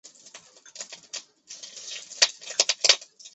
一些国家也发行过使用不干胶作为背胶的邮票。